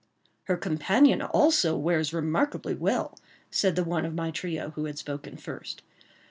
"Her companion also wears remarkably well," said the one of my trio who had spoken first.